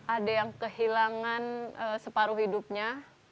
ada yang kehilangan separuh hidupnya